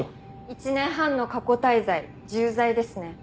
１年半の過去滞在重罪ですね。